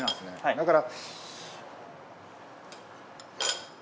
だから。